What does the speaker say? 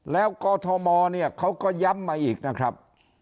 แล้วกอทมเนี่ยเขาก็ย้ำมาอีกนะครับ